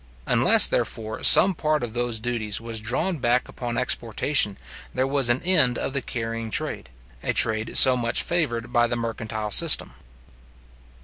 Unless, therefore, some part of those duties was drawn back upon exportation, there was an end of the carrying trade; a trade so much favoured by the mercantile system.